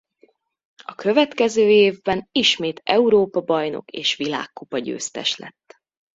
A következő évben ismét Európa-bajnok és Világkupa-győztes lett.